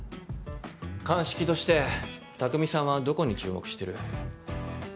鑑識として匠さんはどこに注目してる？